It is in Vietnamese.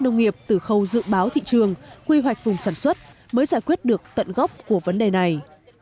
nông nghiệp từ khâu dự báo thị trường quy hoạch vùng sản xuất mới giải quyết được tận gốc của vấn đề này